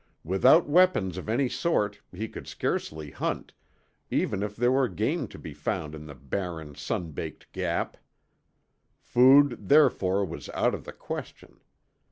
Without weapons of any sort, he could scarcely hunt, even if there were game to be found in the barren sun baked Gap. Food therefore was out of the question.